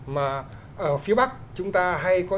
mà ở phía bắc chúng ta hay có